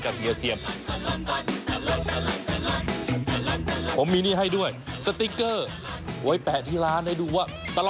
สุดยอดลูกดินแล้วอยากกินคุณดูรู้สิใช่ไหมครับ